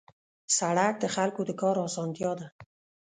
سړک د خلکو د کار اسانتیا ده.